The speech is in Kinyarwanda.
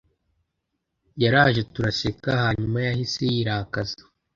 yaraje turaseka hanyuma yahise yirakaza